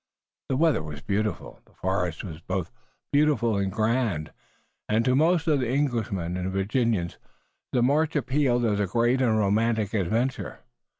The weather was beautiful, the forest was both beautiful and grand, and to most of the Englishmen and Virginians the march appealed as a great and romantic adventure.